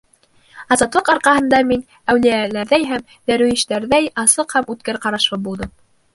Азатлыҡ арҡаһында мин әүлиәләрҙәй һәм дәрүиштәрҙәй асыҡ һәм үткер ҡарашлы булдым.